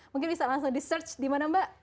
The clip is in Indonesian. mungkin bisa langsung di search dimana mbak